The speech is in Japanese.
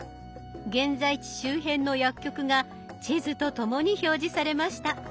現在地周辺の薬局が地図とともに表示されました。